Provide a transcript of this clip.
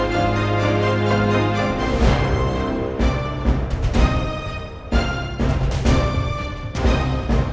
mending sekarang lo pergi dari sini